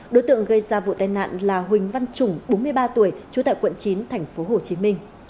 đối tượng gây ra vụ tai nạn là huỳnh văn trùng bốn mươi ba tuổi trú tại quận chín tp hcm